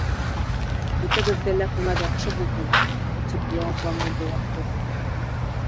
— Бөтәбеҙгә лә һунар яҡшы булһын, — тип яуапланы быуар йылан.